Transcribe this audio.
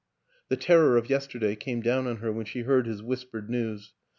The terror of yesterday came down on her when she heard his whispered news.